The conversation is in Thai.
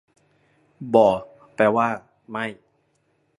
บ่ แปลว่า ไม่